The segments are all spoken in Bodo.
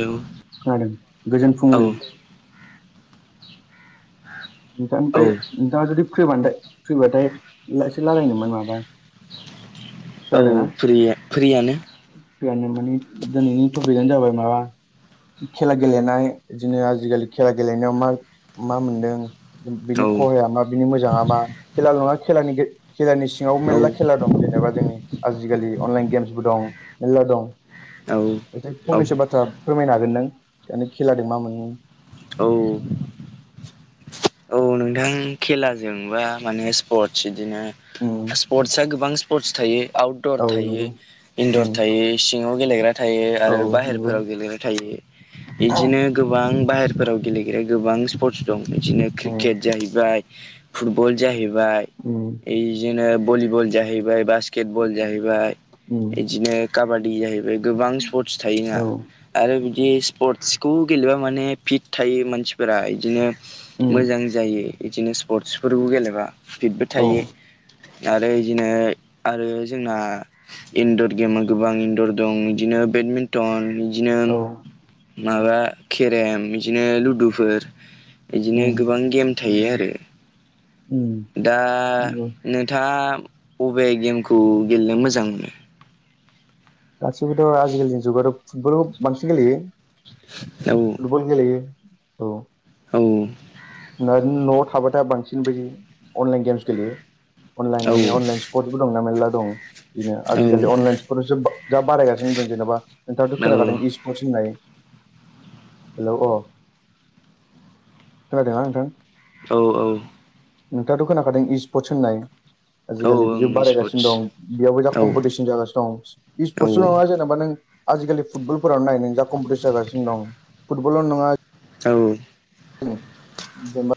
औ' [unintelligible] खोनादों गोजोन फुंबिलि [unintelligible] नोंथांनिफ्राय औ नोंथाङा जुदि फ्रिबमोनदों फ्रिबाथाय लासे रायलायनोमोन माबा औ खोनादोंना फ्रि-फ्रियानो फ्रियानो माने दिनैनि टपिकआनो जाबाय माबा खेला गेलेनाय बिदिनो आजिखालि खेला गेलेनायाव मा मा मोनदों बिनि औ खहाया मा बिनि मोजाङा मा खेला नङा खेलानि गे खेलानि सिङाव औ मेलला खेला दं जेनेबा जोंनि आजिखालि अनलाइन गेम्सबो दं। मेलला दं। औ एसे फंनैसो बाथ्रा फोरमायनो हागोन नों माने खेलादों मा मोनो औ औ नोंथां खेलाजोंबा माने स्पर्टस बिदिनो उम, स्पर्टस आ गोबां स्पर्टस थायो आउटदर औ थायो नंगौ उम, इनदर थायो सिङाव गेलग्रा थायो औ आरो नंगौ बाहेरफोराव गेलेनाय थायो बिदिनो गोबां बाहेर फोराव गेलेग्रा गोबां स्पर्टस दं बिदिनो उम, क्रिकेट जाहैबाय फुटबल जाहैबाय। उम बिदिनो भलिबल जाहैबाय बास्केट बल जाहैबाय उम बिदिनो काबादि जाहैबाय गोबां स्पर्टस थायो औ ना आरो बिदि स्पर्टसखौ गेलेबा माने फिट थायो मानसिफोरा बिदिनो उम मोजां जायो बिदिनो स्पर्टस फोरखौ गेलेबा फिटबो औ थायो आरो बिदिनो आरो जोंना इनदर गेमा गोबां इनदर दं बिदिनो बेडमिन टन बिदिनो औ माबा केरेम बिदिनो लुदुफोर बिदिनो उम गोबां गेम थायो आरो उम दा नंगौ नोंथाङा बबे गेमखौ गेलेनो मोजां मोनो। गासिबोथ' आजिखालिनि जुगावाथ' फुटबल खौ बांसिन गेलेयो। औ फुटबल गेलेयो औ। औ ना न'आव थाबाथाय बांसिन बायदि अनलाइन गेम्स गेलेयो अनलाइन औ माने अनलाइन कटबो दंना मेरला दं। बिदिनो औ आजिखालि अनलाइन स्पर्टासो जा बारायगासिनो दं जेनेबा नोंथाङथ' औ खोनादों इस [inaudible] हेलौ अ खोनादोंना नोंथां? औ औ नोंथाङाथ' खोनाखादों इ स्पर्टस होननाय औ आजिखालि बिजों ओं स्पर्टस बारायगासिनो दं। बेयावबो जा औ कम्पिटिसन जागासिनो दं। औ इस्पर्टसल' नङा जेनेबा नों आजिखालि फुटबलफोरावनो नायनो जा कम्पिटिसन जागासिनो दं फुटबल ल' नङा औ जेनेबा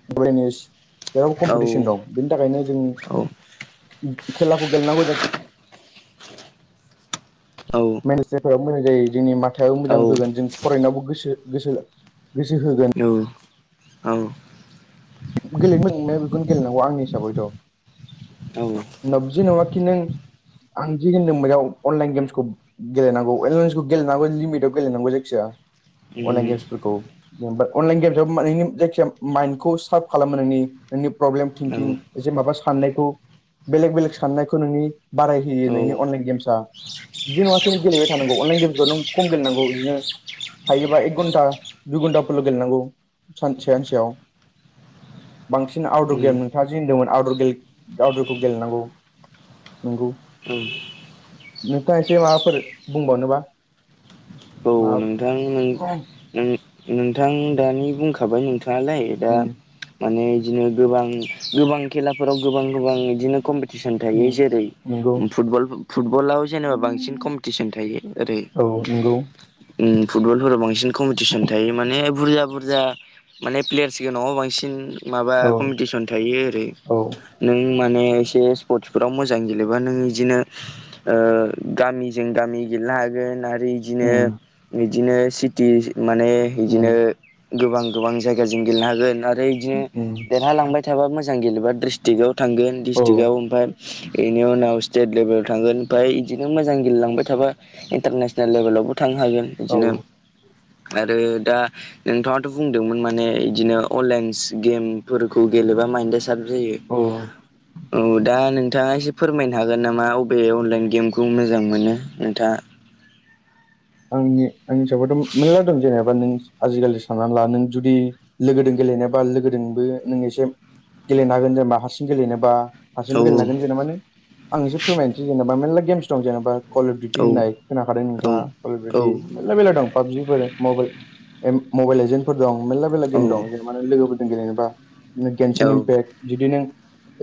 [inaudible] बेयावबो औ कम्पिटिसन दं बेनि थाखायनो जों औ खेलाखौ गेलेनांगौ जाख औ [inaudible] फोराबो मोजां जायो जोंनि माथायाबो औ उम औ मोजां होगोन जों फरायनायावबो गोसो गोसो गोसो होगोन। औ औ [inaudible] बेखौनो गेलेनांगौ आंनि हिसाबैथ'। औ ओनबाबो जेनबाखि नों आं जि होनदों बेयाव अनलाइन गेम्सखौ गेलेनांगौ [inaudible] गेम्सन्सखौ गेलेनांगौ लिमिटाव गेलेनांगौ जिखिजाया। अनलाइन गेम्सफोरखौ जेनबा अनलाइन गेम्स आ नोंनि जायखिजाया माइन्दखौ सार्प खालामो नोंनि नोंनि प्रब्लेम थिंकिं एसे माबा साननायखौ बेलेग बेलेग साननायखौ नोंनि बाराय होयो नोंनि अनलाइन गेम्स आ बिदि नङाखि नों गेलेबाय थानांगौ अनलान गेमसखौ नों खम गेलेनांगौ। बिदिनो हायोबा एक घन्टा दुइ घन्टाफोरल' गेलेनांगौ सान सानसेयाव। बांसिन आउटदर उम गेम नोंथाङा जे होनदोंमोन आउटदर गेम आउटदरखौ गेलेनांगौ नोंगौ। उम। नोंथाङा एसे माबाफोर बुंबावनो बा? औ नोंथां। नों नों नोंथां दानि बुंखाबाय नोंथाङालाय दा उम माने इदिनो गोबां गोबां खेलाफोराव गोबां गोबां इदिनो कम्पिटिसन थायो। उम जेरै नंगौ फुटबल फुटबलाव जेनेबा बांसिन कम्पिटिसन थायो। ओरै औ नंगौ ओम फुटबलफोराव बांसिन कम्पिटिसन थायो माने बुरजा बुरजा माने प्लेयार्स गोनङ आव बांसिन माबा औ कम्पिटिसन थायो ओरै औ नों माने एसे स्पर्टसफोराव मोजां गेलेबा नों इदिनो ओ गामिजों गामि गेलनो हागोन आ रो उम इदिनो इदिनो सिटि माने इदिनो उम गोबां गोबां जायगाजों गेलेनो हागोन आरो इदिनो उम देरहालांबाय थाबा मोजां गेलेबा द्रिस टिआव थांगोन औ डिस्ट्रिकआव ओमफ्राय एनि उनाव स्टेट लेभेलाव थांगोन फाय बिदिनो मोजां गेलेलांबाय थाबा इन्टारनेसनेल लेभेलावबो थांनो हागोन इदिनो औ आरो दा नोंथाङाथ' बुंदोंमोन माने इदिनो अनलाइनस गेम फोरफोरखौ गेलेबा माइनडआ थाब जायो। औ औ दा नोंथाङा एसे फोरमायनो हागोन नामा बबे अनलाइन गेमखौ मोजां मोनो नोंथाङा? आंनि आंनि हिसाबावथ' मेरला दं जेनेबा नों आजिखालि साननानै ला नों जुदि लोगोदों गेलेनोबा लोगोदोंबो नों एसे गेलेनो हागोन जेनेबा हारसिं गेलेनो बा औ हारसिंबो गेलेनो हागोन जेनेबाानो आं एसे फोरमायनोसै जेनेबा मेरला गेमस दं जेनेबा कवलिडटि औ होननाय खोनाखादों औ नोंथाङा? कल औ अफदिउटि मेर मेरला दं पाबजिफोर मबेल एम मबाइल लेजेन। फोर दं मेरला मेरला औ गेम दं जेनेबा लोगोफोरजों गेलेनोबा गेेनसेनो औ बेक्ट जुदि नों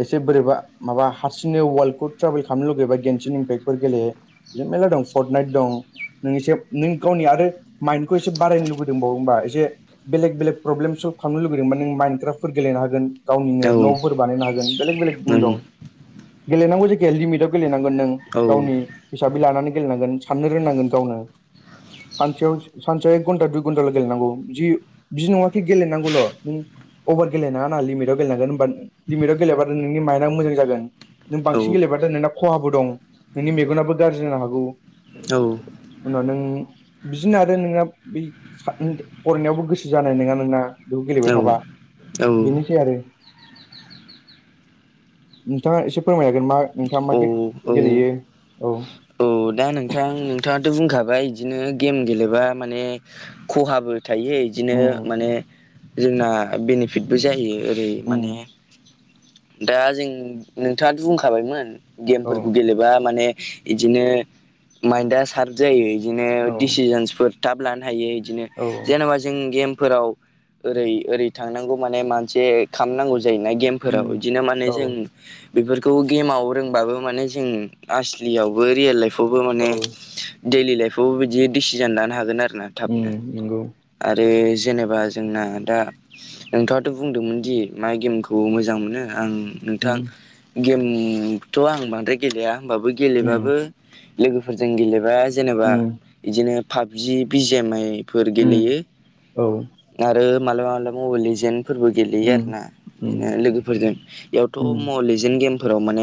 एसे बोरै बा माबा हारसिंनो वर्ल्डखौ ट्रेभेल खालामनो लुुबैबा गेनसेनो बेक्टफोर गेलेयो [inaudible] मेरला दं फर्ट नाइट दं। नों एसे नों गावनि आरो माइन्दखौ एसे बारायनो लुुबैदोंबावो होमबावोमोनबा एसे बेलेग बेलेग प्रब्लेमल्भनो लुगैदोंब नों माइनड्राख्राफोर गेलेनो हागोन। गावनिनो औ ओं औ न'फोर बानायनो हागोन बेलेग बेलेग [inaudible] दं गेलेनांगौ जेखिया लिमिटाव गेलेनांगोन नों। गावनि हिसाबै लानानै गेलेनांगोन साननो रोंनांगोन गावनो। सानसेयाव सानसेयाव एक घन्टा दुइ घन्टाल' गेलेनांगौ बिदि बिदि नङा खि गेलेनांगौल' नों अभार गेलेनाङा ना। लिमिटआव गेलेनांगोन होना लिमिटआव गेलेबा नों नोंनि माइन्दआ मोजां जागोन। नों औ बांसिन गेलेबाथाय नोंना खहाबो दं। नोंनि मेगनाबो गाज्रि जानो हागौ। औ। उनाव नों बिजिनो आरो नोंना बि सा नों फरायनायावबो गोसो जानाय नङा नोंना। बेखौ गेलेबाय थाबा बेनोसै आरो। नोंथाङा एसे फोरमायनो हागोन मा नोंथाङा मा औ औ औ गेलेयो। औ। औ दा नोंथां नोंथाङाथ' बुंखाबाय इदिनो गेम गेलेबा माने खहाबो थायो इदिनो उम माने जोंना बेनिफिटबो जायो। ओरै माने उम दा जों नोंथाङाथ' बुंखाबायमोन औ गेमफोरखौ गेलेबा माने। इदिनो माइन्दा‌ सार्प जायो इदिनो औ डिसिजनसफोर थाब लानो हायो इदिनो औ जेनेबा जों गेमफोराव ओरै ओरै थांनांगौ माने मासे खालामनांगौ जायोना गेम फोराव उम इदिनो माने औ जों। बेफोरखौ गेमाव रोंबाबो माने जों आसलियावबो रियेल लाइफ वाबो औ माने दैडलि लाइफआवबो बिदि डिसिजन लानो हागोन आरो ना थाबनो। उम नंगौ आरो जेनेबा जोंना दा। नोंथाङाथ' बुंदोंमोनदि माइ गेमखौ मोजां मोनो आं नोंथां उम गेम थ' आं बांद्राय गेलेया होमबाबो उम गेलेबाबो लोगोफोरजों गेलेबा जेनेबा उम इदिनो पाबजि बिजि एम आइ फोर उम गेलेयो औ आरो मालाबा मालाबा मबाइल लिजेन फोरबो गेलेयो उम आरोना ओ उम बिदिनो लोगोफोरजों इयाव थ उम मबेल एजेन गेमफोराव माने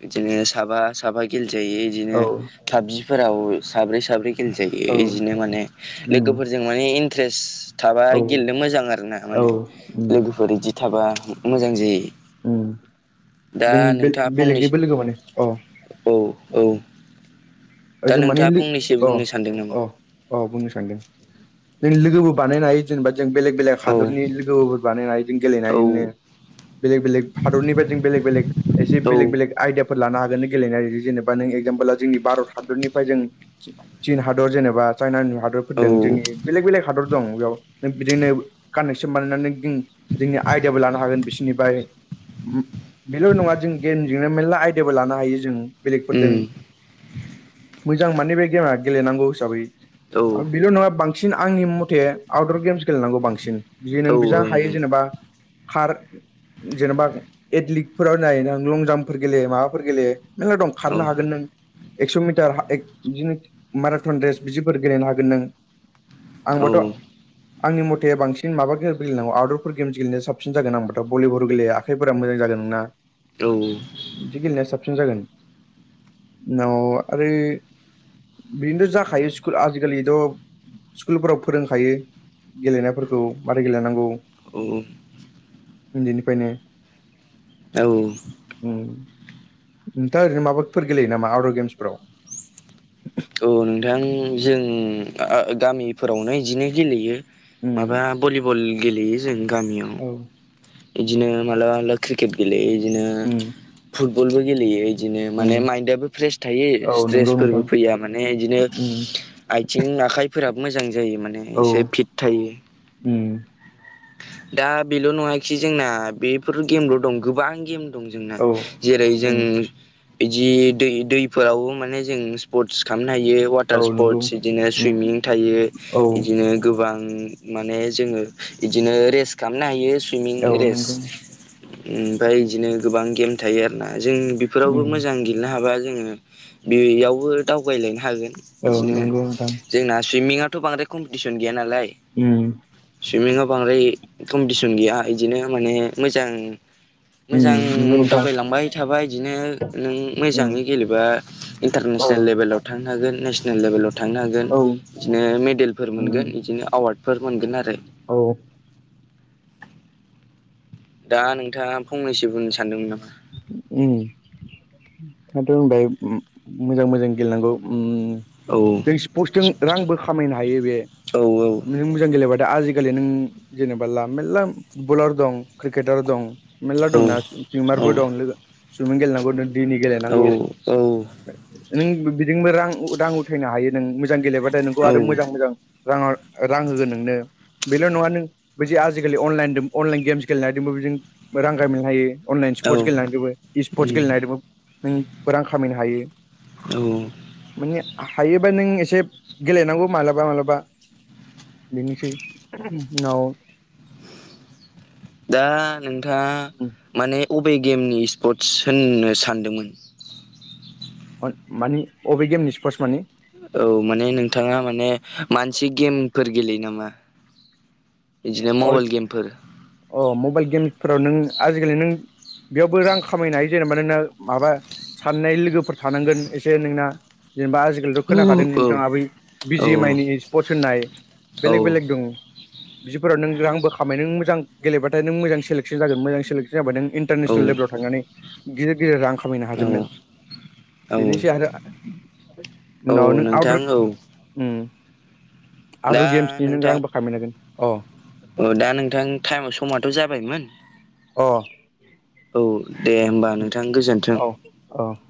बिदिनो साबा साबा गेलजायो बिदिनो औ पाबजिफोराव साब्रै साब्रै गेलेेजायो औ इदिनो माने उम लोगोफोरजों माने इन्ट्रेस्ट थाबा औ गेलेनो मोजां आरो ना औ माने उम लोगोफोर इदि थाबा मोजां जायो उम दा जों बे नोंथाङा फंनैसो बेलेगनिबो लोगो मोनो अ औ औ दा जों मानि नोंथाङा फंनैसो अ बुंनो सानदों नामा अ अ बुंनो सानदों नों लोगोबो बानायनो हायो। जेनेबा जों बेलेग बेलेग औ हादरनि लोगोफोर बानायनाय जों औ गेलेनायजोंनो। बेलेग बेलेग हादरनिफ्राय जों बेलेग बेलेग एसे औ बेलेग बेलेग आयदियाफोर लानो हागोन गेलेनाय जेनेबा नों एकजामपोलाव जोंनि भारत हादरनिफ्राय जों चिन हादर जेनेबा चाइना औ हादरफोरदों जोंनि बेलेग बेलेग हादर दं बेयाव नों बिदिनो कानेक्सन बानायनानै नों जोंनि आयडियाबो लानो हागोन बिसिनिफ्राय उम बेल नङा जों गेमजोंनो मेरला आयदियाबो लानो हायो जों उम बेलेगफोरजों मोजां माने बे गेमा गेलेनांगौ हिसाबै औ आरो बेल नङा बां बांसिन आंनि मथे आउटदर गेम्स गेलेनांगौ बांसिन बि नों औ जि ओं हायो जेनेबा कार जेनेबा एथलिकफोराव नाय नों लं जाम्पफोर गेले माबाफोर गेले गोहो दं ओं खारनो हागोन नों एक्स मिटार ए क बिदिनो माराथन रेस बिदिफोर गेलेनो हागोन नों। औ आंबोथ' औ आंनिमथे बांसिन माबा गेलेनांगौ आउदफोर गेम गेलेनाय साबसिन जागोन होनिबाथ भलि बल गेलेया थेखनिं फोरा मोजां जागोन नोंना। औ बिदि गेलेनाया साबसिन जागोन। उनाव आरो बिदिनोथ' जाखायो स्कुल आजिखालिथ' स्कुलफोराव फोरोंखायो गेलेनायफोरखौ मारै गेलेनांगौ औ औ उन्दैनिफ्रायनो औ उम नोंथां ओरैनो माबाफोर गेलेयो नामा आउदर गेम्सफोराव? ओ नोंथां जों आ गामिफोरावनो इदिनो गेलेयो उम माबा भलिबल गेलेयो जों गामियाव औ इदिनो मालाबा मालाबा क्रिकेट गेलेयो इदिनो उम फुटबलबो गेलेयो इदिनो उम माने माइन्दआबो फ्रेस थायो औ नंगौ स्ट्रेसफोरबो नोंथां फैया माने इदिनो उम आइ आथिं आखाइफोराबो मोजां जायो माने औ एसे फिट थायो। उम दा बेल' नङाखि जोंना बेफोर गेमल दं गोबां गेम दं जोंना औ जेरै जों उम बिदि दै दैफोरावबो माने जों स्पर्टस खालामनो हायो। वाटार औ नंगौ स्पर्टस बिदिनो उम सुइमिं थायो औ इदिनो गोबां माने जोङो बिदिनो रेस्ट खालामनो हायो सुइमिं औ रेस्ट नंगौ ओमफाय इदिनो गोबां गेम थायो आरो ना जों बेफोरावबो उम मोजां गेलेनो हाबा जोङो बेयावबो दावगायलायनो हागोन औ बिदिनो नंगौ नोंथां जोंना सुइमिंङाथ बांद्राय कम्पिटिसन गैया नालाय उम सुइमिंआव बांद्राय कम्पिटिसन गैया इदिनो माने मोजां उम मोजां नंगौ नोंथां दावबायलांबाय थाबाय इदिनो नों उम मोजाङै गेलेबा औ इन्टारनेसनेल लेभेलाव थांनो हागोन नेसनेल लेभेलाव थांनो हागोन। औ बिदिनो मेडेलफोर उम मोनगोन बिदिनो एवार्डफोर मोनगोन आरो औ दा नोंथाङा फंनैसो बुंनो सानदोंमोन नामा? ओम दा मोजां दायो मोजां मोजां गेलेनांगौ ओम औ पस्टजों रांबो खामायनो हायो बे औ नों मोजां गेलेबा दा आजिखालि नों जेनेबा ला मेलला फुटबलार दं क्रिकेटार दं मेलला औ दंना औ दं लोगो सुइमिं गेलेनांगौ नो दैनि गेलेनांगौ। औ नों बिजोंबो रां रां उथायनो हायो नों मोजां गेलेबाथाय नोंखौ आरो मोजां औ मोजां रां रां होगोन नोंनो। बेल' नङा नों बिदि आजिखालि अनलाइन अनलाइन गेम्स गेलेनो हादोंबो बेजों रां खामायनो हायो अनलाइन औ स्पर्टस गेलेनायदोंबो स्पर्टस उम गेलेनायदोंबो नों रां खामायनो हायो। औ माने हायोबा नों एसे गेलेनांगौ मालाबा मालाबा बेनोसै ओम उनाव दा नोंथाङा माने अबे गेमनि स्पर्ट्स होननो सानदोंमोन? अन मानि अबे गेमनि स्पर्ट्स मानि? औ माने नोंथाङा माने माबा मोनसे गेमफोर गेलेयो नामा? बिदिनो अ मबाइल गेमफोर अ मबाइल गेमफोराव नों आजिखालि नों बेयावबो रां खामायनाय जेनेबा नों माबा साननाय लोगोफोर थानांगोन एसे नोंना जेनेबा आजि खालिथ औ खोनाखादों औ नोंथाङा बै औ बिजि एम आइ नि स्पर्टस होननाय बेलेग बेलेग दं। बिदिफोराव नों रांबो खामायनो नों मोजां गेलेबाथाय नों मोजां सेलेकसन मोजां सेलेक्सन जाबा नों इन्टारनेसनेल लेभेलाव थांनानै गदिर गदिर रां खामायनो औ हागोन नों औ बेनोसै आरो औ उनाव नों नोंथां आउदार औ ओम दा आउदर गेम्सनि नों रांबो खामानो हागोन अ अ दा नोंथां टाइमाव समथ' जाबायमोन। अ औ दे होमबा नोंथां गोजोन्थों। अ